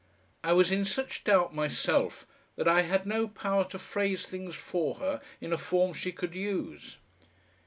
I was in such doubt myself, that I had no power to phrase things for her in a form she could use.